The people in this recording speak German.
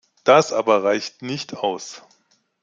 Das aber reicht nicht aus.